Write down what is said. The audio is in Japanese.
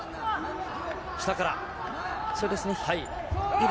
下から。